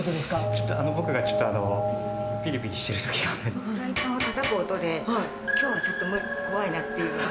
ちょっと僕がぴりぴりしていフライパンをたたく音で、きょうはちょっと怖いなっていうのが。